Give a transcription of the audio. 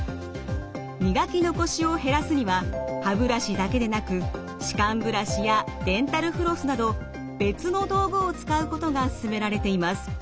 磨き残しを減らすには歯ブラシだけでなく歯間ブラシやデンタルフロスなど別の道具を使うことが勧められています。